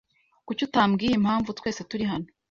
Kuki utambwiye impamvu twese turi hano?